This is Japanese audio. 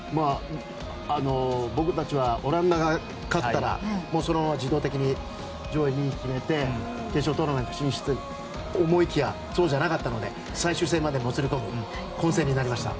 僕たちはオランダが勝ったらそのまま自動的に上位を決めて決勝トーナメント進出と思いきやそうじゃなかったので最終戦までもつれ込む混戦になりました。